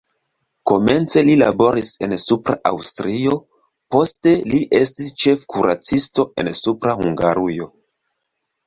Komence li laboris en Supra Aŭstrio, poste li estis ĉefkuracisto en Supra Hungarujo.